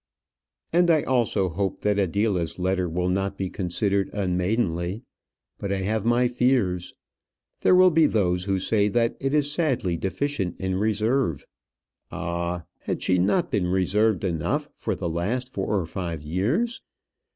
And I also hope that Adela's letter will not be considered unmaidenly; but I have my fears. There will be those who will say that it is sadly deficient in reserve. Ah! had she not been reserved enough for the last four or five years?